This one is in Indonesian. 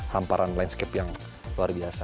hamparan landscape yang luar biasa